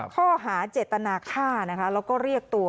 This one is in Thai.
ห้อหาเจตนาคาละก็เรียกตัว